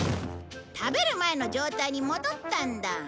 食べる前の状態に戻ったんだ。